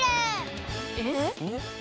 えっ？